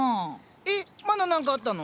えまだ何かあったの？